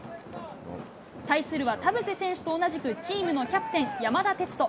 対するは田臥選手と同じくチームのキャプテン、山田哲人。